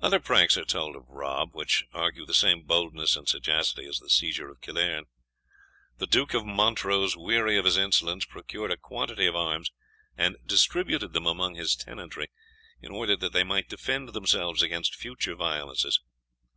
Other pranks are told of Rob, which argue the same boldness and sagacity as the seizure of Killearn. The Duke of Montrose, weary of his insolence, procured a quantity of arms, and distributed them among his tenantry, in order that they might defend themselves against future violences.